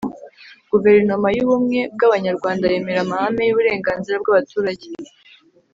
guverinoma y'ubumwe bw'abanyarwanda yemera amahame y'uburenganzira bw'abaturage